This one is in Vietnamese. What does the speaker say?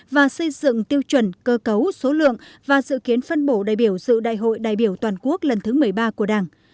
và xây dựng tiêu chuẩn cơ cấu số lượng và dự kiến phân bổ đại biểu dự đại hội đại biểu toàn quốc lần thứ một mươi ba của đảng